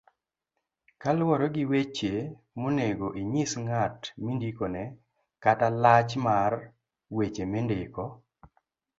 kaluwore gi weche monego inyis ng'at mindikone kata lach mar weche mindiko